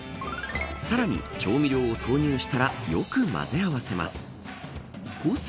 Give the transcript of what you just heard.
さらに調味料を投入したらよく混ぜ合わせます。